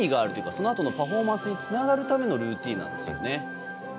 そのあとのパフォーマンスにつながるためのルーティンなんですよね。